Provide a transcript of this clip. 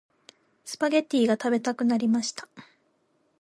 スパゲッティが食べたくなりました。